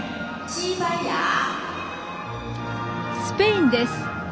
スペインです。